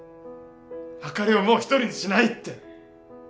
あかりをもう独りにしないって。